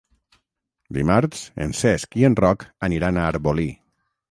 Dimarts en Cesc i en Roc aniran a Arbolí.